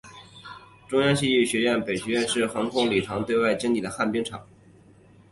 中央戏剧学院北剧场的前身是航空部礼堂对外经营的旱冰场。